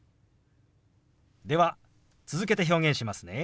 では続けて表現しますね。